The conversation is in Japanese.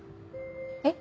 えっ？